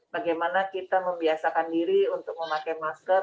bagaimana kita membiasakan diri untuk memakai masker